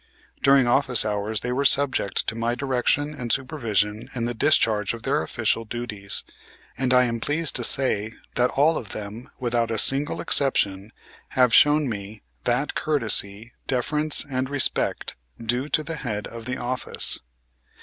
During office hours they were subject to my direction and supervision in the discharge of their official duties, and I am pleased to say that all of them, without a single exception, have shown me that courtesy, deference and respect due to the head of the office.